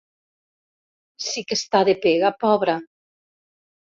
Si que està de pega, pobra.